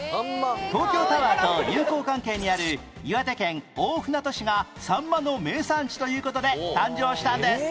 東京タワーと友好関係にある岩手県大船渡市がさんまの名産地という事で誕生したんです